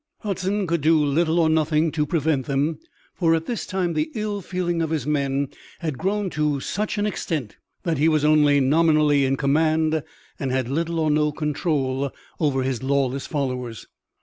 Hudson could do little or nothing to prevent them, for at this time the ill feeling of his men had grown to such an extent that he was only nominally in command and had little or no control over his lawless followers.